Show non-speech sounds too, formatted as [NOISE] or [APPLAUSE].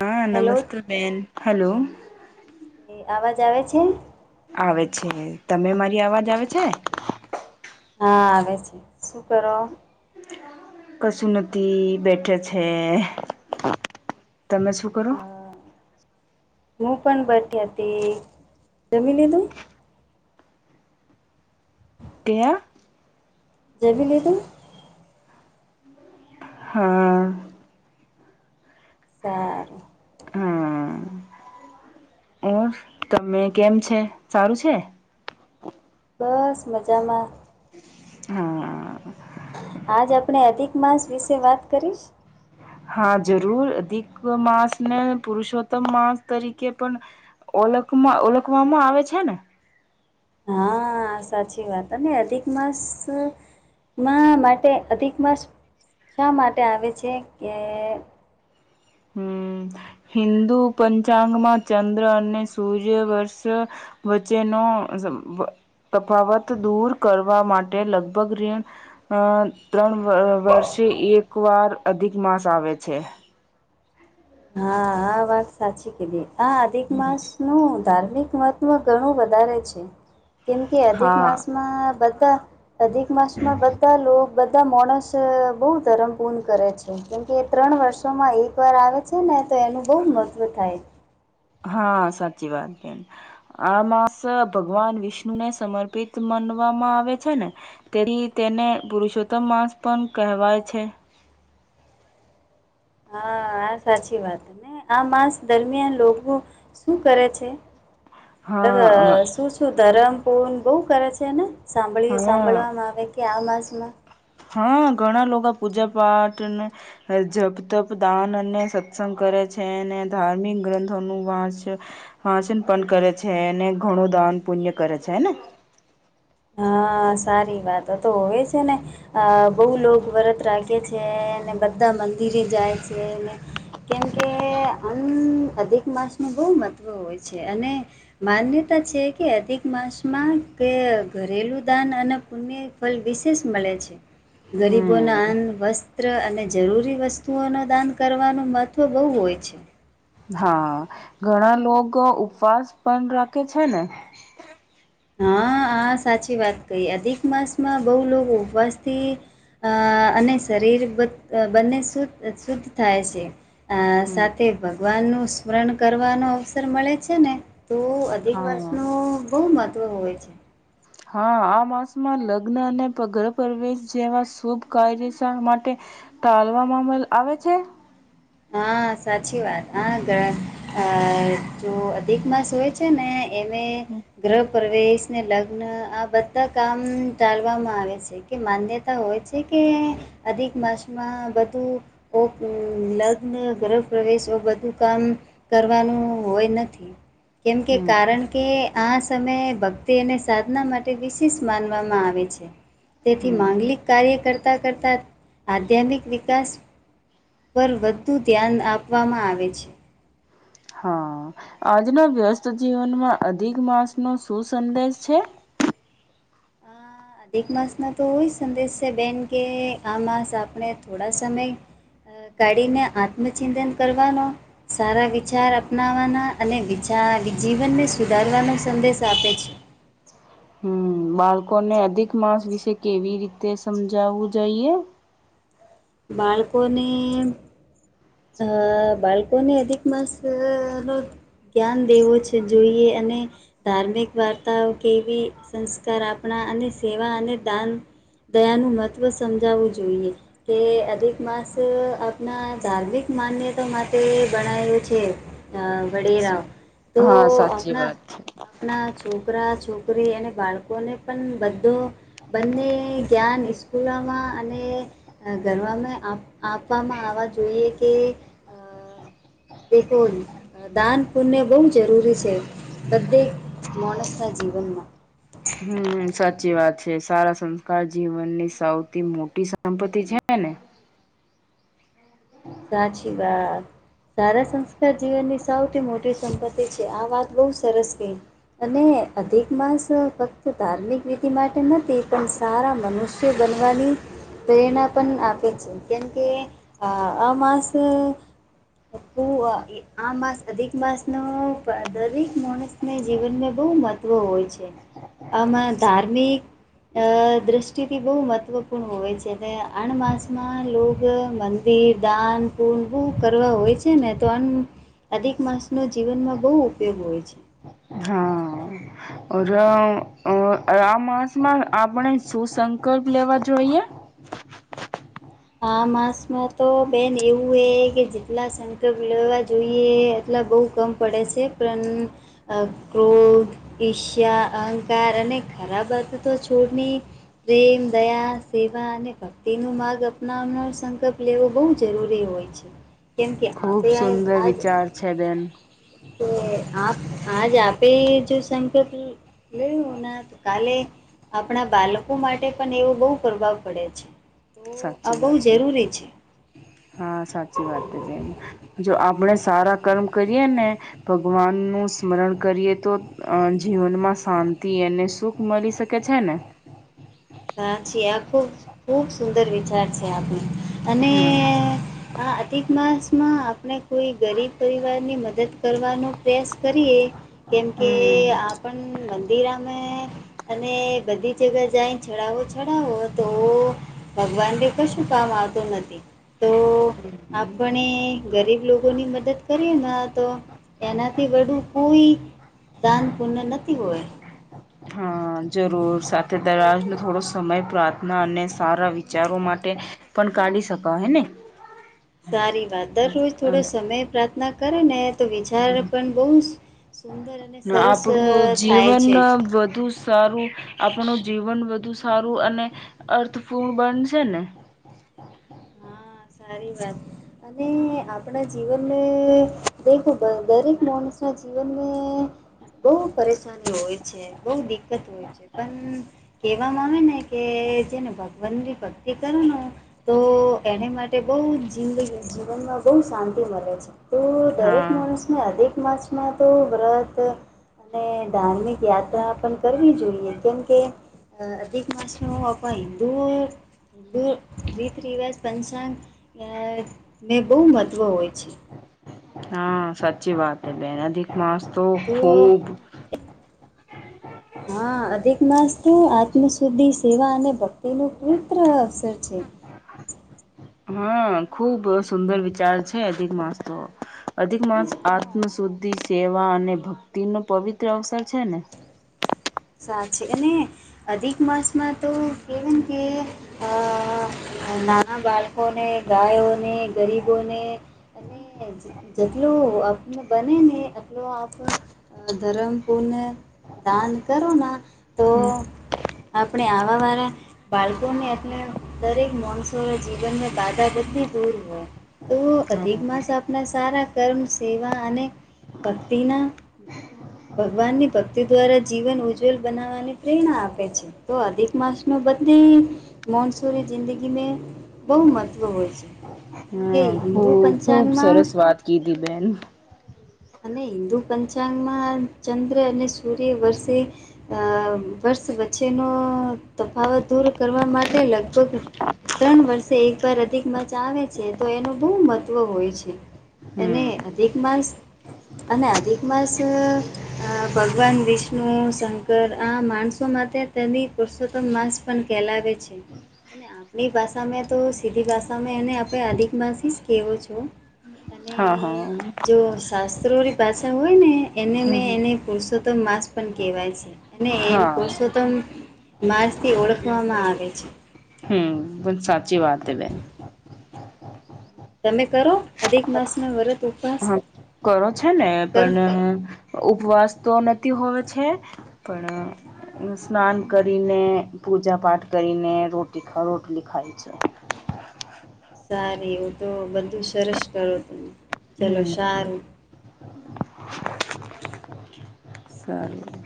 હા હેલો નમસ્તે બેન, હલો. એ આવાજ આવેે છે? આવે છે, તમે મારી અવાજ આવે છે? હા, આવે છે, શું કરો? કશું નથી, બેઠે છે, તમે શું કરો? હા હું પણ બઠી હતી, જમી લીધું? તેયા જમી લીધું? હા સારું હા, ઓર તમે કેમ છે? સારું છે? બસ મજામાં. હા. આજ આપણે અધિક માસ વિશે વાત કરીશ. હા જરૂર, અધિક માસને પુરુષોત્તમ માસ તરીકે પણ ઓલખમાં ઓલખવામાં આવે છે ને? હા સાચી વાત અને અધિક માસ માં માટે અધિક માસ શા માટે આવે છે કે હમ હિન્દુ પંચાંગમાં ચંદ્ર અને સૂર્ય વર્ષ વચ્ચેનો અ તફાવત દૂર કરવા માટે લગભગ રી એ અ ત્રણ વર્ષે એક વાર અધિક માસ આવે છે હા આ વાત સાચી કીધી આ આધિક માસ નું ધાર્મિક મહત માં ઘણું વધારે છે કેમ કે અધિક હા માસમાં બધા અધિક એક માસમાં બધા લોક બધા મોંણસ બહુ ધર્મ પૂર્ણ કરે છે કેમકે એ ત્રણ વર્ષોમાં એક વાર આવે છે ને તો એનું બોહ મહત્ત્વ થાય હા સાચી વાત કરી આ માસ ભગવાન વિષ્ણુ ને સમર્પિત માનવામાં આવે છે ને તેથી તેને પુરુષોત્તમ માસ પણ કહેવાય છે હા આ સાચી વાત હ ને આ માસ દરમિયાન લોકો શું કરે છે મતલબ હા શું શું ધરમ પૂણ બોઉ કરે છે ને સાંભળી હા સાંભળવામાં આવે કે આ માસમાં હા ઘણા લોકા પૂજા પાઠ ને હ જપ, તપ, દાન અને સત્સંગ કરે છે ને ધાર્મિક ગ્રંથોનું વાંચ વાચન પણ કરે છે અને ઘણું દાન પુન્ય કરે છે હને હા સારી વાતો તો હોવે છે ને અ બહુ લોકો વ્રત રાખે છે અને બધા મંદિરે જાય છે ને કેમકે આમ અધિક માસ નું બોહ મહત્વ હોય છે અને માન્યતા છે કે અધિક માસમાં કે ઘરેલું દાન અને પુણ્ય ફળ વિશેષ મળે છે ગરીબોના હમ અન્ન વસ્ત્ર ચિત્ર અને જરૂરી વસ્તુઓનું દાન કરવાનું મહત્ત્વ બહુ હોય છે હા ઘણા લોકોગ ઉપવાસ પણ રાખે છે ને હા આ સાચી વાત કહી અધિક માસમાં બહુ લોકો ઉપવાસથી અ અને શરીર બ બંને શુદ્ધ શુદ્ધ થાય છે અ હમ સાથે ભગવાનનું સ્મરણ કરવાનો અવસર મળે છે ને તો અધિક હા વર્ષનું બહુ મહત્ત્વ હોય છે હા આ માસમાં લગ્ન અને ગ્રહ પ્રવેશ જેવા શુભ કાર્ય સ માટે તાલવામાં અમલ આવે છે હા સાચી વાત હા ઘણા અ જો અધિક માસ હોય છે ને એને ગ્રહ પ્રવેશ ને લગ્ન આ બધા કામ તાલવામાં આવે છે એ કે માન્યતા હોય છે કે અધિક માસમાં બધું ઓ કું લગ્ન ને ગ્રહ પ્રવેશ એવું બધું કામ કરવાનું હોય નથી કેમ કે હમ કારણ કે આ સમયે ભક્તિને સાધના માટે વિશેષ માનવામાં આવે છે તેથી હમ માંગલિક કાર્ય કરતાં કરતાં આધ્યાત્મિક વિકાસ પર વધુ ધ્યાન આપવામાં આવે છે હ આજના વ્યસ્ત જીવનમાં અધિક માસનો શું સંદેશ છે હા. આધિકનો તો વહી સંદેશ છે બેન કે આ માસ આપણે થોડા સમય અ કાઢીને આત્મચિંતન કરવાનો સારા વિચાર અપનાવવાના અને વિચાર જીવનને સુધારવાનો સંદેશ આપે છે. હમ્મ બાળકોને અધિક માસ વિશે કેવી રીતે સમજાવવું જોઈએ. બાળકોને અ બાળકોને અધિક માસ અ નો ધ્યાન દેવો છે જોઈએ અને ધાર્મિક વાર્તાઓ કે એવી સંસ્કાર આપણા અને સેવા અને દાન ધ્યાન મહત્વ સમજાવવું જોઈએ. કે અધિક માસ અ આપણા ધાર્મિક માન્યતા માટે ભણાયું છે ને વડેરા તો હા સાચી આપણા વાત છે આપ ના છોકરા છોકરી અને બાળકોને પણ બધો બંને ધ્યાન ઇસ્કૂલોમાં અને અ ગરવામાં આપ આપવામાં આવવા જોઈએ કે અ બેકોલ દાન પુણ્ય બહુ જરૂરી છે બધે મોણસના જીવનમાં હમ્મ સાચી વાત છે સારા સંસ્કાર જીવનની સૌથી મોટી સંપત્તિ છે. ને સાચી બાત સારા સંસ્કાર જીવનની સૌથી મોટી સંપત્તિ છે આ વાત બહુ સરસ કહી અને અધિક માસ ફક્ત ધાર્મિક વિધિ માટે નથી પણ સારા મનુષ્ય બનવાની પ્રેરણા પણ આપે છે કેમ કે અ આ માસ પૂવા એ આ માસ અધિક માસ નો દરેક મોણસને જીવનને બહુ મહત્વ હોય છે. આમાં ધાર્મિક અ દ્રષ્ટિથી બહુ મહત્ત્વપૂર્ણ હોય છે અને આણ માસમાં લોગ મંદિર દાન પુણ બહું કરવા હોય છે ને તો અન અધિક માસનો જીવનમાં બહુ ઉપયોગ હોય છે. હા. [UNINTELLIGIBLE] હમ્મ આ માસમાં આપણે શું સંકલ્પ લેવા જોઈએ. હા માસમાં તો બેન એવું હે કે જેટલા સમય મતલબ લેવા જોઈએ એટલા બહુ કમ પડે છે પણ અ ક્રોધ ઈર્ષ્યા અહંકાર અને ખરાબ આદતો છોડની પ્રેમ દયા સેવા અને ભક્તિનો માર્ગ અપ નામનો સંકલ્પ લેવો બહુ જરૂરી હોય છે કેમ કે ખુબ આપણે આ સુંદર આજ વિચાર છે બેન તો એ આપ આજ આપે જો સંકલ્પ લેવું ના તો કાલે આપણા બાળકો માટે પણ એવો બહુ પ્રભાવ પડે છે. તો આ સાચી બહુ વાત બે જરૂરી છે. હા સાચી વાત હે બેન જો આપણેે સારા કર્મ કરીએ ને ભગવાનનું સ્મરણ કરીએ તો અ જીવનમાં શાંતિ અને સુખ મળી શકે છે ને સાચી આ ખૂબ ખૂબ સુંદર વિચાર છે આપણે અને હમ આ અધિક માસમાં આપણે કોઈ ગરીબ પરિવારની મદદ કરવાનો પ્રયાસ કરીએ કેમકે હમ આપન મંદિરમાં અને બધી જગ્યા જાય ચડાવો ચડાવો તો ભગવાનબી કશું કામ આવતું નથી. તો આપણે ગરીબ લોકોની મદદ કરીએના તો એનાથી વધું કોઈ દાન પુણ નથી હોય અહ જરૂર સાથે દરવાજનો થોડો સમય પ્રાર્થના અને સારા વિચારો માટે પણ કાઢી શકો હ ને સારી વાત દરરોજ થોડો સમય પ્રાર્થના કરે ને તો વિચાર પણ બહુ સુંદર અને સરસ અ, આપડું થાય જીવન છે અહ બધુસ સારું આપણું જીવન બધુ સારું અને અર્થપૂર્ણ બનશે ને હા સારી વાત અને આપણા જીવનને દેખો દરેક માણસોના જીવનને બહુ પરેશાની હોય છે બહુ દિકકત હોય છે પણ કહેવામાં આવે ને કે જેને ભગવાનની ભક્તિ કરો ને તો તો એને માટે બહુ જિંદગી જીવનમાં બહુ શાંતિ મલે છે. તો દરેક હા માણસને અધિક માર્ચમાં તો વ્રત અને ધાર્મિક યાત્રા પણ કરવી જોઈએ કેમકે અહ અધિક માસ નું અપન ધુ ધુ રીત રિવાજ પંચાંગ અહ ને બહુ મહત્ત્વ હોય છે. હા, સાચી વાત હ બેન અધિક માસ તો ખુબ હ. હા, અધિક માસ તો આત્મશુદ્ધિ સેવા અને ભક્તિનું પવિત્ર અવસર છે. હા, ખુબ સુંદર વિચાર છે અધિક માસ તો અધિક માસ હા આત્મ શુદ્ધિ સેવા અને ભક્તિ નો પવિત્ર અવસર છે ને? સાચે અને અધિક માસમાં તો એવન કે અહ નાના બાળકોને ગાયોને ગરીબોને અને જે-જેટલું આપને બને ને એટલું આપ અહ ધરમ પૂર્ણ દાન કરો ના તો હમ આપણે આવા વારા બાળકોને એટલે દરેક માણસો જીવનને બાધા બધી દૂર હોય. તો અધિક માસ આપના સારા કર્મ સેવા અને ભક્તિના ભગવાન ની ભક્તિ દ્વારા જીવન ઉજ્જવલ બનાવવાની પ્રેરણા આપે છે તો અધિક માસ નું બધે માનસૂન જિંદગીમે બહુ મહત્વ હોય છે. કેમકે હા હિન્દુ ખુ-ખુબ પંચાંગમાં સરસ વાત કીધી બેન. અને હિન્દુ પંચાંગમાં ચંદ્ર અને સૂર્ય વર્ષે અહ વર્ષ વચ્ચેનો તફાવત દૂર કરવા માટે લગભગ ત્રણ વર્ષે એકવાર અધિક માચ આવે છે તો એનું બહુ મહત્ત્વ હોય છે. એને હમ અધિક માસ અને અધિક માસ અહ ભગવાન વિષ્ણુ શંકર આ માણસો માટે તેની પુરષોત્તમ માંસ પણ કેહેલાવે છે. અને આપણી ભાષામાં તો સીધી ભાષામાં એને આપે અધિક માથી જ કેવો છો. અને હા હા જો સાસ સરોરી પાછા હોય ને એને હમ મેં હમ એને પુરુષોત્તમ માસ પણ કહેવાય છે. અને એમ હા પુરુષોત્તમ માર્સથી ઓળખવામાં આવે છે. હમ પણ સાચી વાત એ [UNINTELLIGIBLE] તમે કરો અધિક માસમાં વરત ઉપવાસ હા કરો છે ને કરો? પણ ઉપવાસ તો નથી હોવે છે પણ સ્નાન કરીને પૂજા પાઠ કરીને રો રોટલી ખાય છે સાર એવું તો બધું સરસ કરો તું ચલો હમ સારું સારું